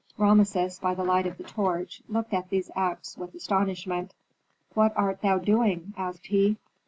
Rameses, by the light of the torch, looked at these acts with astonishment. "What art thou doing?" asked he.